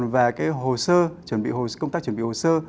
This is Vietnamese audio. về cái hồ sơ công tác chuẩn bị hồ sơ